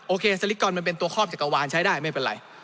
สลิกกอนมันเป็นตัวครอบจักรวาลใช้ได้ไม่เป็นไร